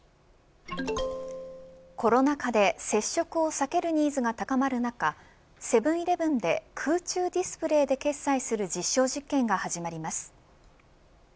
コロナ禍で接触を避けるニーズが高まる中セブン‐イレブンで空中ディスプレーで決済する実証実験が始まります。